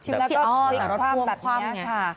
แล้วก็พลิกคว่ำแบบนี้ค่ะ